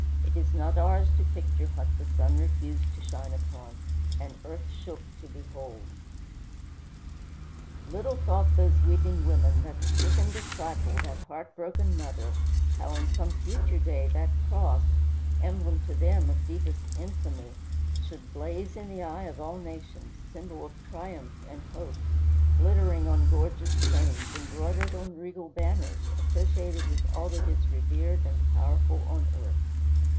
It is not ours to picture what the sun refused to shine upon, and earth shook to behold. Little thought those weeping women, that stricken disciple, that heartbroken mother, how on some future day that cross emblem to them of deepest infamy should blaze in the eye of all nations, symbol of triumph and hope, glittering on gorgeous fanes, embroidered on regal banners, associated with all that is revered and powerful on earth.